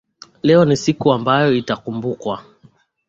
leo ni siku ambayo itakumbukwa